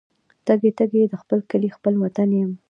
تږي، تږي د خپل کلي خپل وطن یم